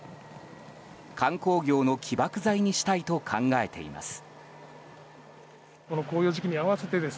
観光業の起爆剤にしたいと考えています。